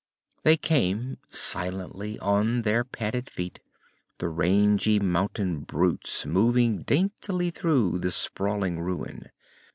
They came silently on their padded feet, the rangy mountain brutes moving daintily through the sprawling ruin.